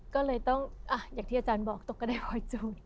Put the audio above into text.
ก็เลยต้องอ่ะอยากที่อาจารย์บอกตกก็ได้พออีกจุด